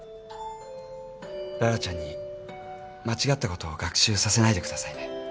羅羅ちゃんに間違ったことを学習させないでくださいね。